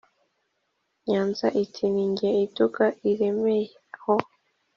nyanza iti: nijye i nduga iremeye ho